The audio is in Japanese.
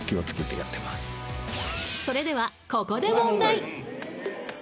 ［それではここで］